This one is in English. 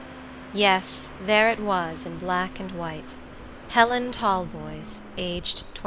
Yes, there it was in black and white"Helen Talboys, aged 22."